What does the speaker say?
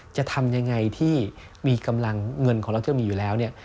จะทำยังไงที่มีกำลังเงินของเราที่มีอยู่แล้วเนี่ย